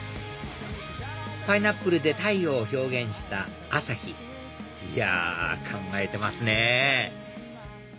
パイナップルで太陽を表現した「朝日」いや考えてますね